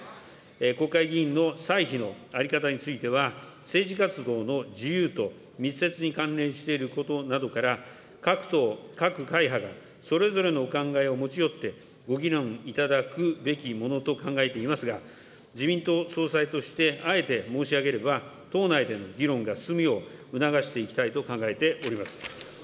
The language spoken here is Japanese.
国会議員の歳費の在り方については、政治活動の自由と密接に関連していることなどから、各党、各会派がそれぞれのお考えを持ち寄って、ご議論いただくべきものと考えていますが、自民党総裁としてあえて申し上げれば、党内での議論が進むよう、促していきたいと考えております。